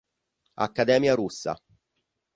Accademia russa